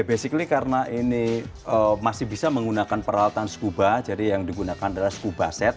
basically karena ini masih bisa menggunakan peralatan skuba jadi yang digunakan adalah skuba set